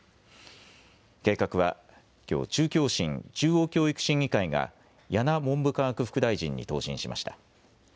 計画はきょう中教審・中央教育審議会が簗文部科学副大臣に答申しました。